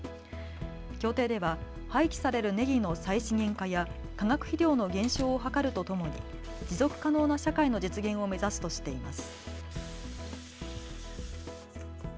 協定では廃棄されるねぎの再資源化や化学肥料の減少を図るとともに持続可能な社会の実現を目指すとしています。